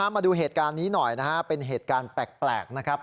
มาดูเหตุการณ์นี้หน่อยนะฮะเป็นเหตุการณ์แปลกนะครับ